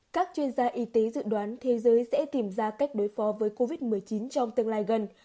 các chuyên gia y tế dự đoán thế giới sẽ tìm ra cách đối phó với covid một mươi chín trong tương lai gần